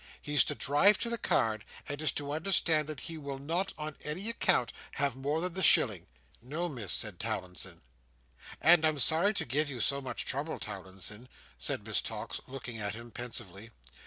He's to drive to the card, and is to understand that he will not on any account have more than the shilling." "No, Miss," said Towlinson. "And—I'm sorry to give you so much trouble, Towlinson," said Miss Tox, looking at him pensively.